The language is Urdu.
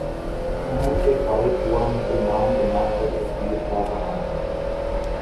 عمل سے فارغ ہوا مسلماں بنا کر تقدیر کا بہانہ